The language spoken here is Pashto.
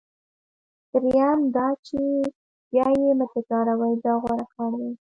دریم دا چې بیا یې مه تکراروئ دا غوره کار دی.